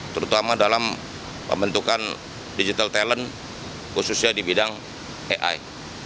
terutama dalam pembentukan digital talent khususnya di bidang ai